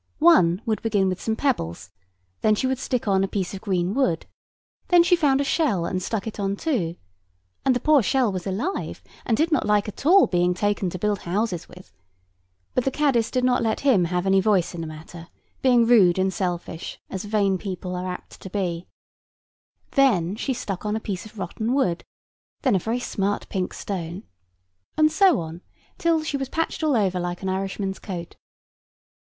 One would begin with some pebbles; then she would stick on a piece of green wood; then she found a shell, and stuck it on too; and the poor shell was alive, and did not like at all being taken to build houses with: but the caddis did not let him have any voice in the matter, being rude and selfish, as vain people are apt to be; then she stuck on a piece of rotten wood, then a very smart pink stone, and so on, till she was patched all over like an Irishman's coat.